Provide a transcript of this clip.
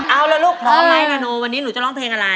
เอาละลูกพร้อมไหมนาโนวันนี้หนูจะร้องเพลงอะไร